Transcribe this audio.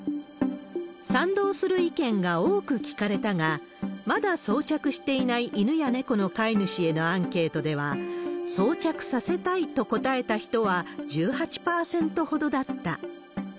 賛同する意見が多く聞かれたが、まだ装着していない犬や猫の飼い主へのアンケートでは、装着させたいと答えた人は１８％ほどだった。